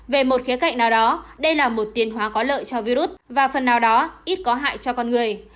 về một khía cạnh nào đó đây là một tiền hóa có lợi cho virus và phần nào đó ít có hại cho con người